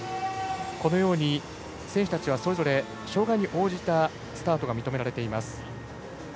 このように、選手たちはそれぞれ障がいに応じたスタートが認められています。